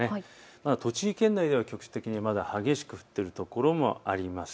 栃木県内は局地的に激しく降っているところもあります。